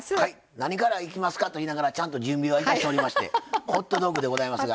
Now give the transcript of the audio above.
何からいきますかと言いながら準備しておりましてホットドッグでございますが。